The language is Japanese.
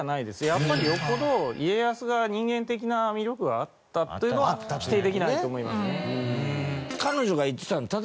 やっぱりよっぽど家康が人間的な魅力があったというのは否定できないと思いますね。